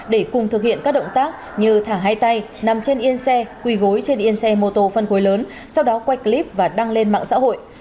để cùng thực hiện các động tác như thả hai tay nằm trên yên xe quỳ gối trên yên xe mô tô phân khối lớn sau đó quay clip và đăng lên mạng xã hội